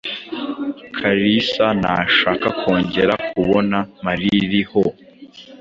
Kalisa ntashaka kongera kubona Maririho.